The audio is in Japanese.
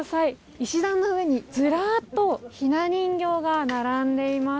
石段の上に、ずらっとひな人形が並んでいます。